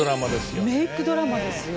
メイクドラマですよ。